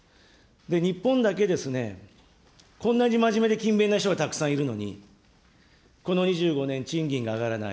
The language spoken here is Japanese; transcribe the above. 日本だけですね、こんなにまじめで勤勉な人がたくさんいるのに、この２５年、賃金が上がらない。